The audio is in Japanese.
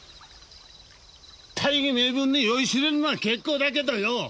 大義名分に酔いしれるのは結構だけどよ